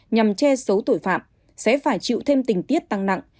nhằm che giấu tội phạm sẽ phải chịu thêm tình tiết tăng nặng